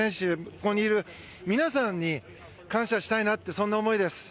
ここにいる皆さんに感謝したいなってそんな思いです。